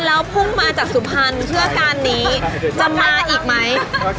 ถ้าเป็นประจำเลยใช่ไหม